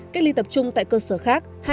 cách ly tập trung tại cơ sở khác